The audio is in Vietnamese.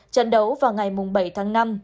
trận đấu vào ngày bảy tháng năm